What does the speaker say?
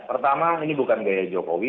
pertama ini bukan gaya jokowi